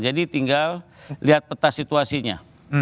jadi tinggal lihat peta situasinya